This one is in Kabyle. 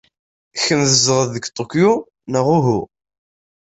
Kemm tzedɣed deg Tokyo, neɣ uhu?